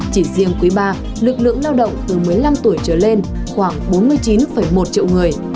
chỉ riêng quý ba lực lượng lao động từ một mươi năm tuổi trở lên khoảng bốn mươi chín một triệu người